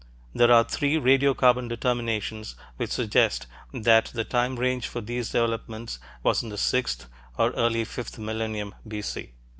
There are three radiocarbon determinations which suggest that the time range for these developments was in the sixth or early fifth millennium B.C.